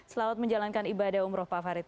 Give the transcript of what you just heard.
selamat menjalankan ibadah umroh pak farid